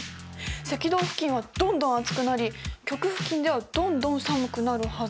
赤道付近はどんどん暑くなり極付近ではどんどん寒くなるはず。